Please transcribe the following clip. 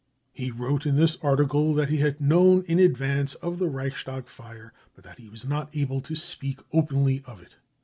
He wrote in this article that he had known in advance of the Reichstag lire, but that he was not able to speak openly of it.